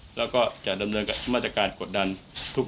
จากนั้นก็จะนำมาพักไว้ที่ห้องพลาสติกไปวางเอาไว้ตามจุดนัดต่าง